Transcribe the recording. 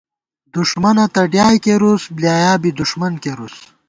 دُݭمَنہ تہ ڈیائے کېرُوس ، بۡلیایا بی دُݭمن کېرُوس